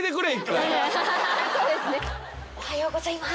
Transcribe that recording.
おはようございます。